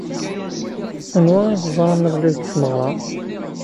Anwa ay teẓram iḍelli deg tmeɣra?